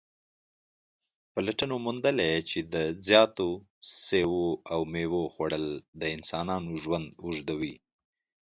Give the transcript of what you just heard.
پلټنو موندلې چې د زیاتو سبو او میوو خوړل د انسانانو ژوند اوږدوي